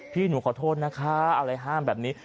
พี่หนูขอโทษนะคะอะไรห้ามแบบนี้